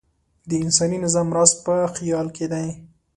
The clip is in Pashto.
د انساني نظم راز په خیال کې دی.